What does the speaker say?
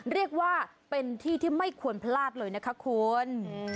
เรียกว่าเป็นที่ที่ไม่ควรพลาดเลยนะคะคุณ